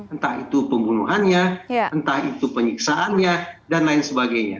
entah itu pembunuhannya entah itu penyiksaannya dan lain sebagainya